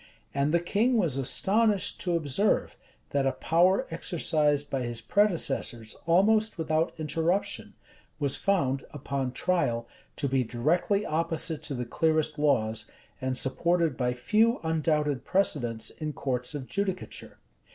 And the king was astonished to observe, that a power exercised by his predecessors almost without interruption, was found, upon trial, to be directly opposite to the clearest laws, and supported by few undoubted precedents in courts of judicature.